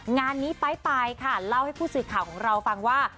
งานนี้ป้ายค่ะเล่าให้ผู้สื่อข่าวของเราฟังว่า